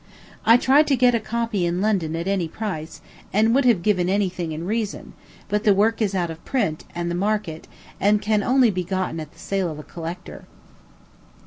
I tried to get a copy in London at any price, and would have given any thing in reason; but the work is out of print and the market, and can only be gotten at the sale of a collector.